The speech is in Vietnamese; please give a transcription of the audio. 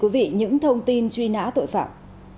chuyển đến quý vị những thông tin truy nã tội phạm